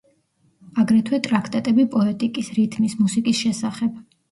აგრეთვე ტრაქტატები პოეტიკის, რითმის, მუსიკის შესახებ.